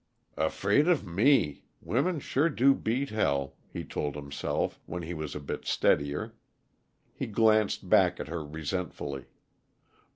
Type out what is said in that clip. "Afraid of me women sure do beat hell!" he told himself, when he was a bit steadier. He glanced back at her resentfully.